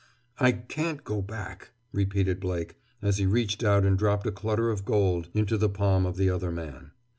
"I can't go back!" repeated Blake, as he reached out and dropped a clutter of gold into the palm of the other man.